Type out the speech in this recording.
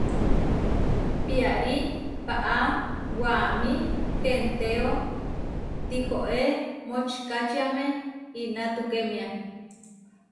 Piarí paʼá waʼámi hentéo, tihoé močikačiáme inatukémia.